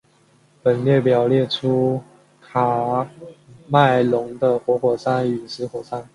本列表列出喀麦隆的活火山与死火山。